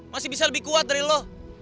masih bisa lebih kuat dari lo